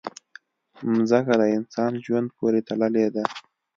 مځکه د انسان ژوند پورې تړلې ده.